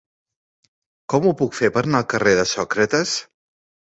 Com ho puc fer per anar al carrer de Sòcrates?